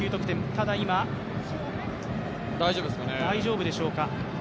ただ、今大丈夫でしょうか。